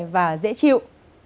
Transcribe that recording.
và dễ chịu